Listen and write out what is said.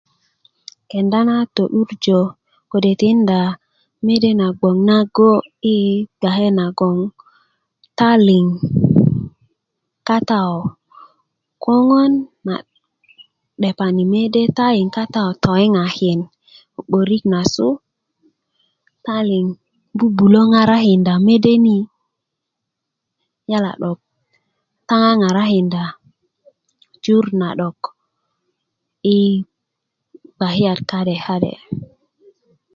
kenda na to'durjö kode tinda mede na bgoŋ nago i kpake nagon ta liŋ kata yu koŋö na 'depani mede taliŋ kata ko toyiŋakin 'borik na su ta liŋ bubulö ŋarakinda mede ni yala 'dok ta ŋaŋarakinda jur na 'dok i kpakiyat ka'de ka'de